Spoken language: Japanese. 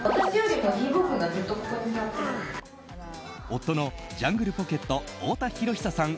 夫のジャングルポケット太田博久さん